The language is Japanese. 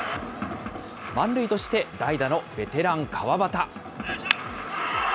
満塁として代打のベテラン、川端。